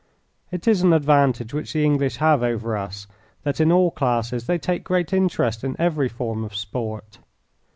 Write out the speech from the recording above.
It is an advantage which the English have over us that in all classes they take great interest in every form of sport.